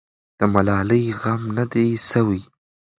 د ملالۍ غم نه دی سوی.